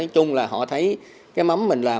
thu hoạch một mùa